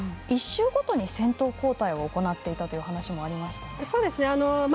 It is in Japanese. １周ごとに先頭交代を行っていたという話もありましたね。